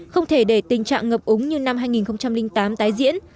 không thể để tình trạng ngập úng như năm hai nghìn tám tái diễn